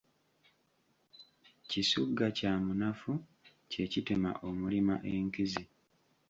Kisugga kya munafu, kye kitema omulima enkizi.